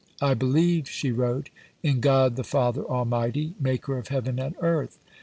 "I believe," she wrote, "in God the Father Almighty, Maker of Heaven and Earth.